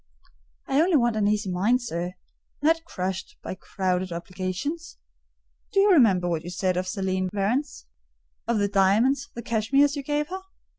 "I only want an easy mind, sir; not crushed by crowded obligations. Do you remember what you said of Céline Varens?—of the diamonds, the cashmeres you gave her?